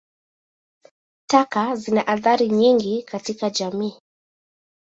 Taka zina athari nyingi katika jamii.